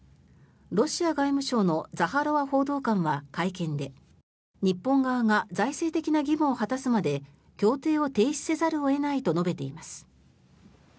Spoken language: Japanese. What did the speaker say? ロシア外務省のザハロワ報道官は会見で日本側が財政的な義務を果たすまで協定を停止せざるを得ないと述べています。